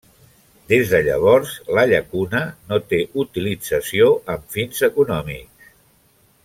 Des de llavors la llacuna no té utilització amb fins econòmics.